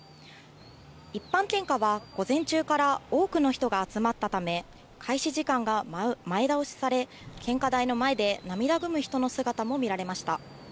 一般献花は午前中から多くの人が集まったため、開始時間が前倒しされ、献花台の前で涙ぐむ人の姿も見られました。